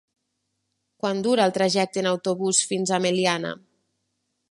Quant dura el trajecte en autobús fins a Meliana?